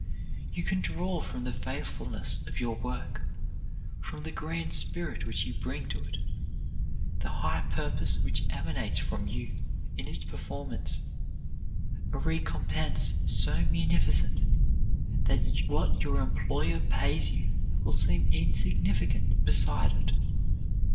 You can draw from the faithfulness of your work, from the grand spirit which you bring to it, the high purpose which emanates from you in its performance, a recompense so munificent that what your employer pays you will seem insignificant beside it.